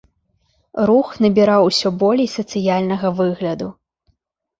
Рух набіраў усё болей сацыяльнага выгляду.